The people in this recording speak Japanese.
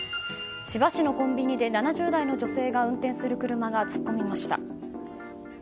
千葉市のコンビニで７０代の女性が運転する車が突っ込みました。